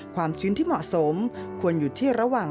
ชื้นที่เหมาะสมควรอยู่ที่ระหว่าง